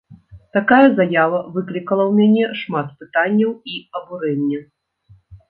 Такая заява выклікала ў мяне шмат пытанняў і абурэнне.